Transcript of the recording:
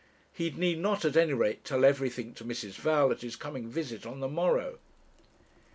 He need not, at any rate, tell everything to Mrs. Val at his coming visit on the morrow.